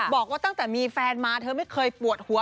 บอกว่าตั้งแต่มีแฟนมาเธอไม่เคยปวดหัว